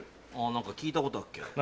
何か聞いたことあっけど。